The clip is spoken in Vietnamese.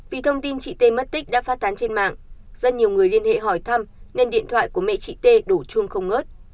vì thông tin chị tê mất tích đã phát tán trên mạng rất nhiều người liên hệ hỏi thăm nên điện thoại của mẹ chị tê đổ chuông không ngớt